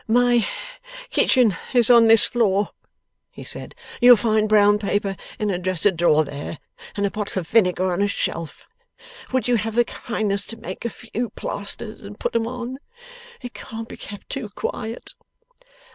'My kitchen is on this floor,' he said; 'you'll find brown paper in a dresser drawer there, and a bottle of vinegar on a shelf. Would you have the kindness to make a few plasters and put 'em on? It can't be kept too quiet.